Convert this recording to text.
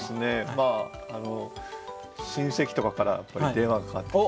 まあ親戚とかから電話がかかってきて。